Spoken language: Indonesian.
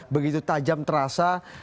begitu tajam terasa